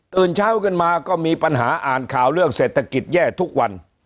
เช้ากันมาก็มีปัญหาอ่านข่าวเรื่องเศรษฐกิจแย่ทุกวัน